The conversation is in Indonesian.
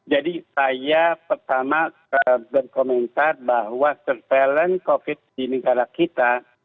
saya pertama berkomentar bahwa surveillance covid di negara kita